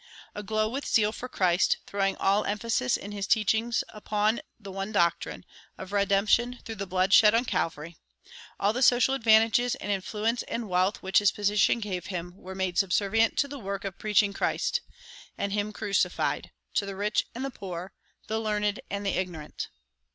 "Aglow with zeal for Christ, throwing all emphasis in his teaching upon the one doctrine of redemption through the blood shed on Calvary, all the social advantages and influence and wealth which his position gave him were made subservient to the work of preaching Christ, and him crucified, to the rich and the poor, the learned and the ignorant."